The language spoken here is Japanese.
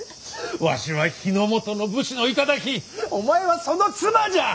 わしは日本の武士の頂お前はその妻じゃ！